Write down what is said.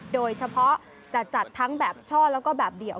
โดยเฉพาะจะจัดทั้งแบบช่อแล้วก็แบบเดี่ยว